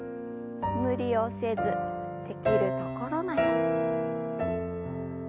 無理をせずできるところまで。